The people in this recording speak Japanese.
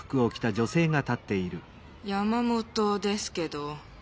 山本ですけど。